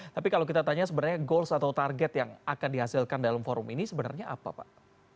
tapi kalau kita tanya sebenarnya goals atau target yang akan dihasilkan dalam forum ini sebenarnya apa pak